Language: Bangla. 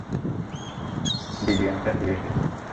ডিভিয়েন্টরা ফিরে এসেছে।